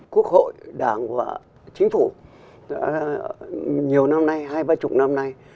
quốc hội đảng và chính phủ nhiều năm nay hai ba chục năm nay